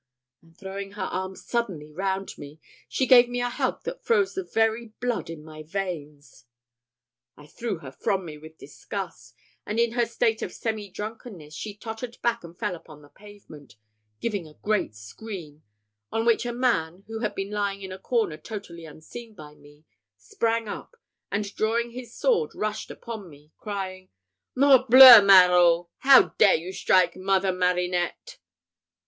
And throwing her arms suddenly round me, she gave me a hug that froze the very blood in my veins. I threw her from me with disgust; and, in her state of semi drunkenness, she tottered back and fell upon the pavement, giving a great scream; on which a man, who had been lying in a corner totally unseen by me, sprang up, and drawing his sword, rushed upon me, crying, "Morbleu, Maraud! How dare you strike Mother Marinette?"